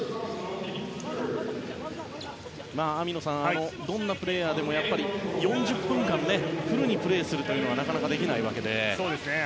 網野さん、どんなプレーヤーでも４０分間フルにプレーすることはなかなかできないわけで。